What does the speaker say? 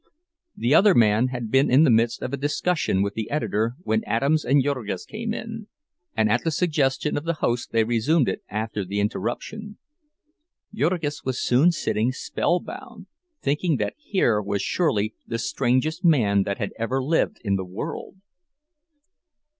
The other man had been in the midst of a discussion with the editor when Adams and Jurgis came in; and at the suggestion of the host they resumed it after the interruption. Jurgis was soon sitting spellbound, thinking that here was surely the strangest man that had ever lived in the world.